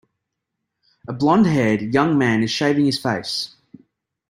A blondhaired, young man is shaving his face.